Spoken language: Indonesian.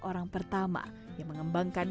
orang pertama yang mengembangkan